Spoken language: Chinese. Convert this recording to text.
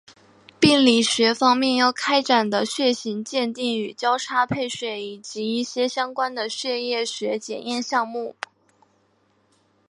病理学方面要开展的血型鉴定与交叉配血以及一些相关的血液学检验项目。